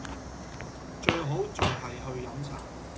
最好仲係去飲茶